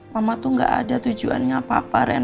mama tuh gak ada tujuannya apa apa ren